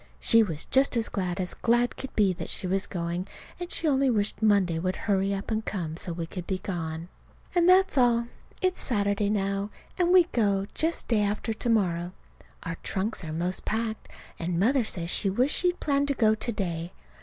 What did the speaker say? She was just as glad as glad could be that she was going, only she wished Monday would hurry up and come so we could be gone. And that's all. It's Saturday now, and we go just day after to morrow. Our trunks are 'most packed, and Mother says she wishes she'd planned to go to day.